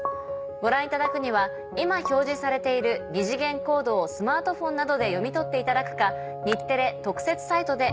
ご覧いただくには今表示されている二次元コードをスマートフォンなどで読み取っていただくか。